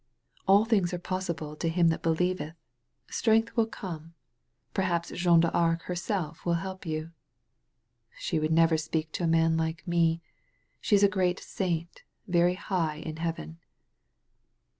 *'AII things are possible to him that believeth. Strength will come. Perhaps Jeanne d*Arc herself will help you." ''She would never speak to a man like me. She is a great saint, very hi^ in heaven.